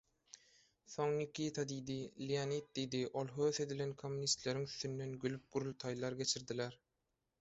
Soň Nikita diýdi, Leonid diýdi ol höwes edilen kommunistleriň üstünden gülüp gurultaýlar geçirdiler.